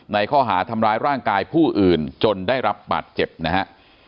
ในข้อหาทำร้ายร่างกายผู้อื่นจนได้รับบาดเจ็บนะฮะ